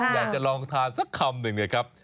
อยากจะลองทานสักคำหนึ่งนะครับ